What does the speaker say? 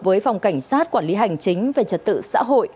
với phòng cảnh sát quản lý hành chính về trật tự xã hội